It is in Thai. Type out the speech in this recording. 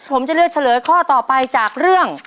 ผมจะเลือกเฉลยข้อต่อไปจากเรื่อง